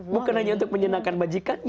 bukan hanya untuk menyenangkan majikannya